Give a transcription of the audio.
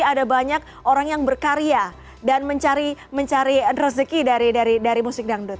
ada banyak orang yang berkarya dan mencari rezeki dari musik dangdut